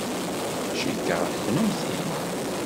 Cikkeɣ d kennemti.